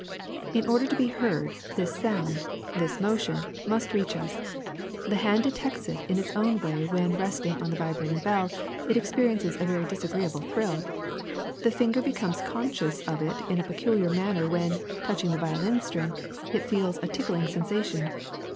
^'In order to be heard, this sound, this motion, must reach us. The hand detects it in its own way when, resting on the vibrating bell, it experiences a very disagreeable thrill; the finger becomes con scious of it in a peculiar manner when, touching the violin string, it feels a ticking sensation.